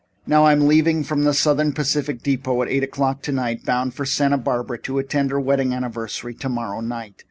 "Now, I'm leaving from the Southern Pacific depot at eight o'clock tonight, bound for Santa Barbara to attend her wedding anniversary tomorrow night.